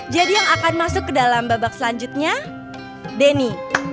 yang akan masuk ke dalam babak selanjutnya denny